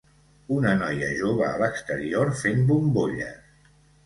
una noia jove a l'exterior fent bombolles.